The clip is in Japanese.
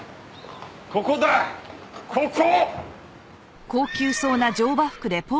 ここだここ！